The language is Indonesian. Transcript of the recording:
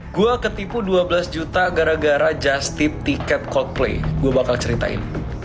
gue ketipu dua belas juta gara gara just tip tiket coldplay gue bakal ceritain